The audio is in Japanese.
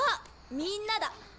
みんなだ。